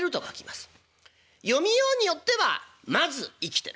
読みようによっては「先ず生きてる」